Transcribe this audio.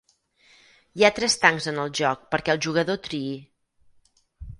Hi ha tres tancs en el joc perquè el jugador triï.